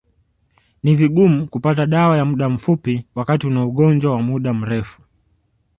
Ni vigumu kupata dawa ya muda mfupi wakati una ugonjwa wa muda mrefu